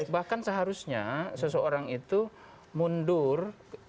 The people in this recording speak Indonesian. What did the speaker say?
bahkan seharusnya seseorang itu mundur